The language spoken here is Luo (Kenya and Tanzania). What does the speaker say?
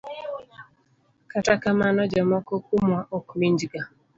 Kata kamano, jomoko kuomwa ok winjga.